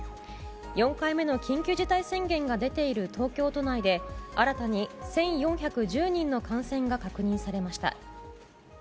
４回目の緊急事態宣言が出ている東京都内で新たに１４１０人の感染が確認されました。